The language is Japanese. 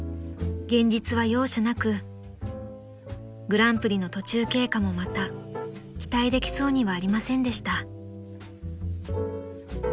［グランプリの途中経過もまた期待できそうにはありませんでした］